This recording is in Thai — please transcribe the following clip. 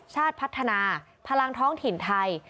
ชาติพัฒนาพลังท้องถิ่นไทย